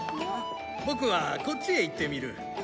ボクはこっちへ行ってみる。